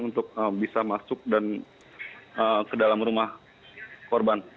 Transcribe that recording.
untuk bisa masuk dan ke dalam rumah korban